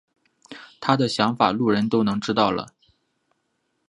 他的想法路人都能知道了。